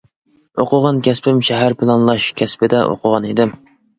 ئوقۇغان كەسپىم شەھەر پىلانلاش كەسپىدە ئوقۇغان ئىدىم.